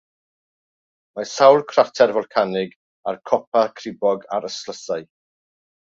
Mae sawl crater folcanig ar copa cribog a'r ystlysau.